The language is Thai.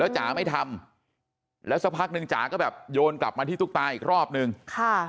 จ๋าไม่ทำแล้วสักพักหนึ่งจ๋าก็แบบโยนกลับมาที่ตุ๊กตาอีกรอบนึงค่ะ